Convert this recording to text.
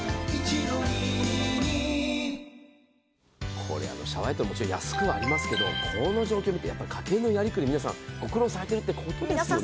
これ、シャワーヘッドもちろん安くなりますけれどもこの状況見て、家計のやりくり、皆さんご苦労なさってるんですね。